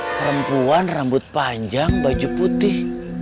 perempuan rambut panjang baju putih